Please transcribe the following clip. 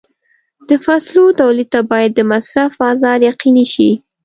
د فصلو تولید ته باید د مصرف بازار یقیني شي.